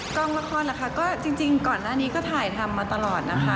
กองละครล่ะค่ะก็จริงก่อนหน้านี้ก็ถ่ายทำมาตลอดนะคะ